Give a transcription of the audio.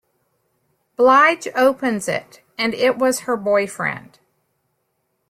Blige opens it and it was her boyfriend.